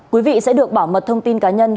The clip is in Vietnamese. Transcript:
quý vị sẽ được bảo mật thông tin cá nhân